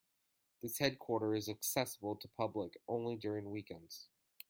This headquarter is accessible to public only during weekends.